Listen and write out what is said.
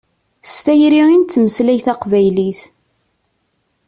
S tayri i nettmeslay taqbaylit.